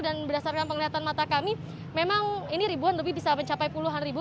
dan berdasarkan penglihatan mata kami memang ini ribuan lebih bisa mencapai puluhan ribu